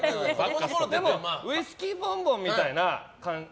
でもウイスキーボンボンみたいな。